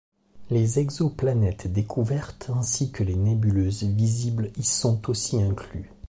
Les exoplanètes découvertes ainsi que les nébuleuses visibles y sont aussi inclus.